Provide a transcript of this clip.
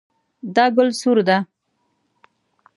دا ګل سور ده